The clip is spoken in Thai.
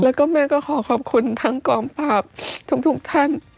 แล้วก็แม่ก็ขอขอบคุณทั้งกองปราบทุกท่าน